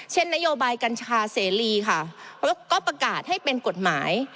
นโยบายกัญชาเสรีค่ะแล้วก็ประกาศให้เป็นกฎหมาย